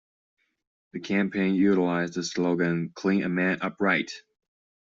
The campaign utilized the slogan "Clean a Man Up Right".